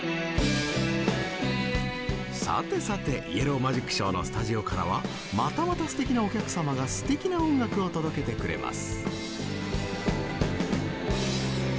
さてさてイエローマジックショーのスタジオからはまたまたすてきなお客様がすてきな音楽を届けてくれます。